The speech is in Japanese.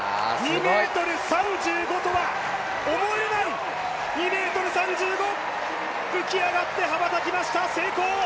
２ｍ３５とは思えない２ｍ３５、浮き上がって羽ばたきました、成功！